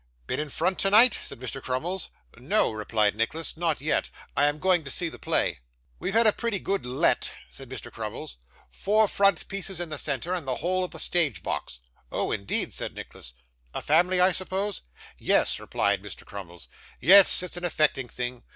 'Been in front tonight?' said Mr. Crummles. 'No,' replied Nicholas, 'not yet. I am going to see the play.' 'We've had a pretty good Let,' said Mr. Crummles. 'Four front places in the centre, and the whole of the stage box.' 'Oh, indeed!' said Nicholas; 'a family, I suppose?' 'Yes,' replied Mr. Crummles, 'yes. It's an affecting thing.